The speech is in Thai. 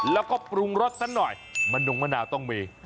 แล้วก็ปรุงรสซะหน่อยมะนงมะนาวต้องมี